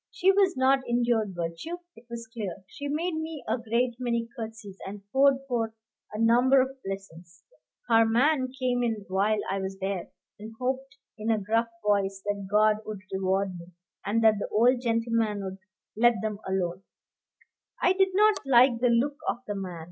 She was not injured virtue, it was clear. She made me a great many curtseys, and poured forth a number of blessings. Her "man" came in while I was there, and hoped in a gruff voice that God would reward me, and that the old gentleman'd let 'em alone. I did not like the look of the man.